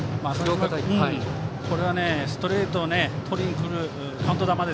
ストレートをとりにくるカウント球。